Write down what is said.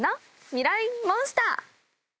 ミライ☆モンスター。